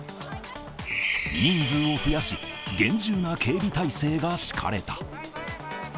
人数を増やし、厳重な警備態勢が敷かれた。